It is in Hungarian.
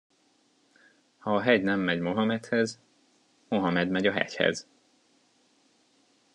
Ha a hegy nem megy Mohamedhez, Mohamed megy a hegyhez.